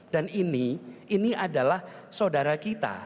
dan ini ini adalah saudara kita